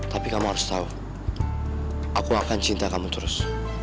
tapi kamu harus tahu aku akan cinta kamu terus